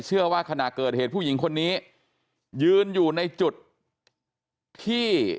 ขณะเกิดเหตุผู้หญิงคนนี้ยืนอยู่ในจุดที่